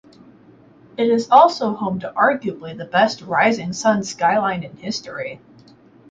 It is also home to arguably the best rising sun Skyline in history.